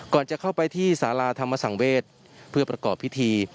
จะเข้าไปที่สาราธรรมสังเวศเพื่อประกอบพิธี